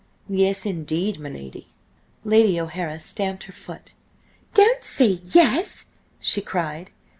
"Yes indeed, my lady." Lady O'Hara stamped her foot. "Don't say yes!" she cried.